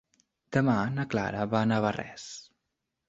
Demà na Clara va a Navarrés.